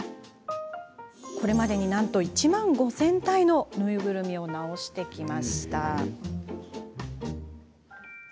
これまでに１万５０００体のぬいぐるみを直してきました。